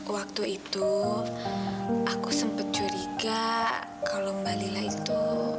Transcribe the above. waktu itu aku sempat curiga kalau mbak lila itu